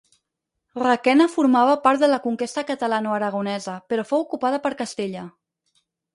Requena formava part de la conquesta catalanoaragonesa, però fou ocupada per Castella.